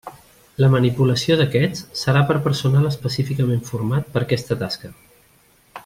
La manipulació d'aquests serà per personal específicament format per a aquesta tasca.